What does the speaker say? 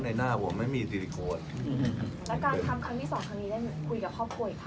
แต่ถ้าเรามีการดูแลเรื่อย